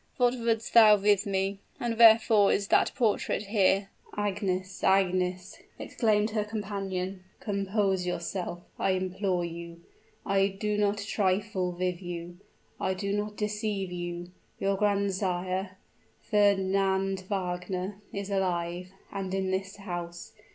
what would'st thou with me? and wherefore is that portrait here?" "Agnes Agnes!" exclaimed her companion, "compose yourself, I implore you! I do not trifle with you I do not deceive you! Your grandsire, Fernand Wagner, is alive and in this house.